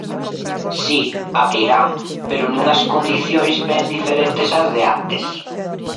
Si, abrirán, pero nunhas condicións ben diferentes ás de antes.